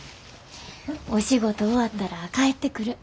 お仕事終わったら帰ってくる。